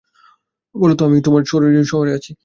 বলো তো, আমি তোমার শহরে আছি।